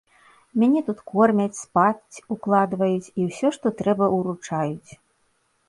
Мяне тут кормяць, спаць укладваюць і ўсё, што трэба, уручаюць.